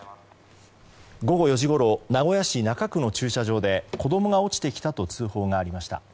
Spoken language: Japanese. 午後４時ごろ名古屋市中区の駐車場で子供が落ちてきたと通報がありました。